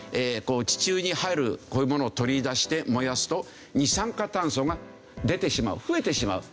地中にあるこういうものを取り出して燃やすと二酸化炭素が出てしまう増えてしまう。